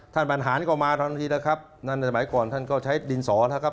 ท่านบรรหารก็มาทันทีแล้วครับนั่นหมายก่อนท่านก็ใช้ดินสอแล้วครับ